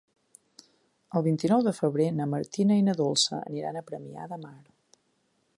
El vint-i-nou de febrer na Martina i na Dolça aniran a Premià de Mar.